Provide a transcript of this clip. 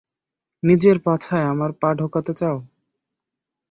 নিজের পাছায় আমার পা ঢোকাতে চাও?